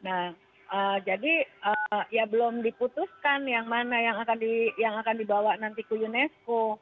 nah jadi ya belum diputuskan yang mana yang akan dibawa nanti ke unesco